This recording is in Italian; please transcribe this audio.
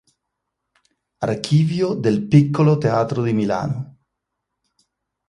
Archivio del Piccolo Teatro di Milano